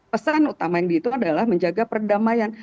pesan utama yang di itu adalah menjaga perdamaian